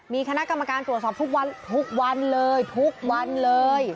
มีคณะกรรมการตรวจสอบทุกวันทุกวันเลยทุกวันเลย